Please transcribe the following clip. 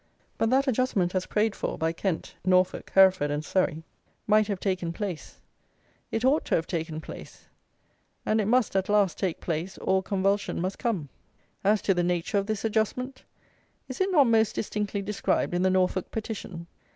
But that adjustment as prayed for by Kent, Norfolk, Hereford, and Surrey, might have taken place; it ought to have taken place: and it must, at last, take place, or, convulsion must come. As to the nature of this "adjustment," is it not most distinctly described in the Norfolk Petition?